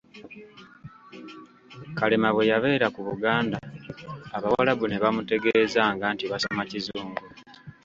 Kalema bwe yabeera ku Buganda, Abawarabu ne bamutegeezanga nti basoma kizungu.